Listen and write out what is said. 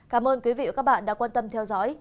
cảm ơn quý vị và các bạn đã quan tâm theo dõi